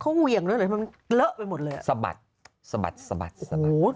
เขาเวียงด้วยเหรอครับมันเกลอะไปหมดเลยสะบัดแสบัดโอ้โห